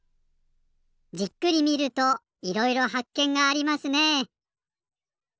じっくり見るといろいろはっけんがありますね。